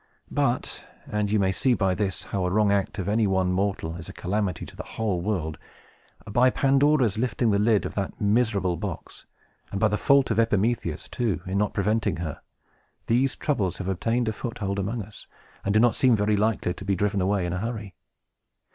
But and you may see by this how a wrong act of any one mortal is a calamity to the whole world by Pandora's lifting the lid of that miserable box, and by the fault of Epimetheus, too, in not preventing her, these Troubles have obtained a foothold among us, and do not seem very likely to be driven away in a hurry.